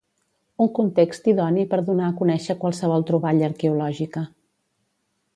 Un context idoni per donar a conèixer qualsevol troballa arqueològica.